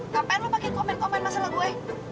ngapain lo pakai komen komen masalah gue